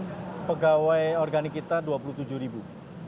ini pegawai organik kita dua puluh tujuh ribu